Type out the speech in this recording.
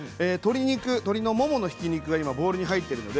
鶏もも肉がボウルに入っています。